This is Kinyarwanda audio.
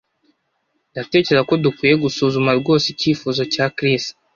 Ndatekereza ko dukwiye gusuzuma rwose icyifuzo cya Chris